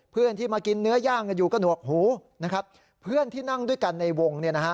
เพื่อนที่มากินเนื้อย่างกันอยู่กระหนวกหูนะครับเพื่อนที่นั่งด้วยกันในวงเนี่ยนะฮะ